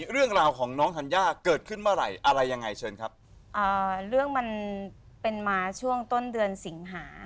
เรื่องราวของน้องธัญญาเกิดขึ้นเมื่อไหร่อะไรยังไงเชิญครับอ่าเรื่องมันเป็นมาช่วงต้นเดือนสิงหา